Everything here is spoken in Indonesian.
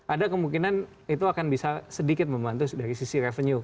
ada kemungkinan itu akan bisa sedikit membantu dari sisi revenue